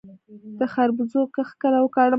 د خربوزو کښت کله وکړم؟